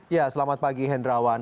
ya selamat pagi hendrawan